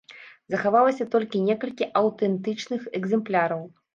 Захавалася толькі некалькі аўтэнтычных экземпляраў.